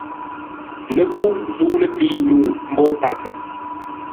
Ləpfuʼ zə̂u lətəi ndwuŋ mbó paghʼə.